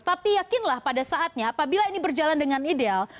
tapi yakinlah pada saatnya apabila ini berjalan dengan ideal